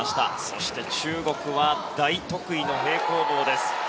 そして中国は大得意の平行棒です。